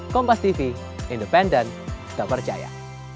kompas tv independen tak percaya